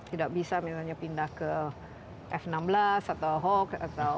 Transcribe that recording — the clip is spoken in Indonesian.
tidak bisa misalnya pindah ke f enam belas atau hawk atau pesawat tempur lainnya